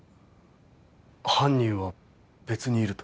犯人は別にいると？